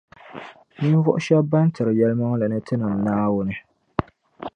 Ninvuɣu shεba ban tiri yεlimaŋli ni Tinim’ Naawuni